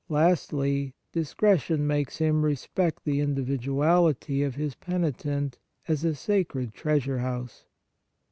Lastly, discretion makes him respect the individuality of his penitent as a sacred treasure house.